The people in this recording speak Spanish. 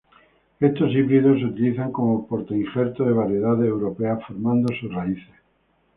Estos híbridos se utilizan como portainjertos de variedades europeas, formando sus raíces.